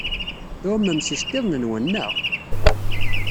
Tɛumem s yiceḍḍiḍen-nwen, naɣ?